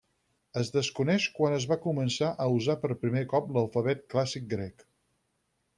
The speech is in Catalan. Es desconeix quan es va començar a usar per primer cop l'alfabet clàssic grec.